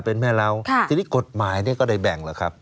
เป็นแม่เหล้าทีนี้กฎหมายก็ได้แบ่งแหละครับ